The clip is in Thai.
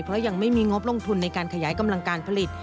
เพราะยังไม่มีงบลงทุนในการขยายกำลังการผลิต